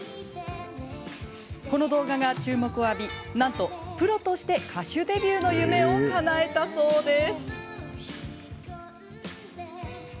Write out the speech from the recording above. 動画が注目を浴びなんとプロとして歌手デビューの夢をかなえたそうです。